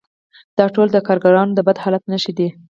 دا ټول د کارګرانو د بد حالت نښې دي